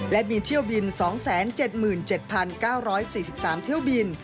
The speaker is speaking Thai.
และมีเที่ยวบิน๒๗๗๙๔๓เที่ยวบิน